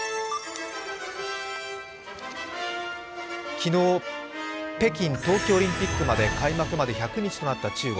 昨日、北京冬季オリンピック開幕まで１００日となった中国。